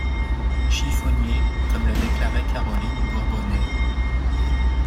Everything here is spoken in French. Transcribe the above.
Chiffonniers, comme le déclarait Caroline Bourbonnais.